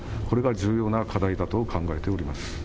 これから重要な課題だと考えています。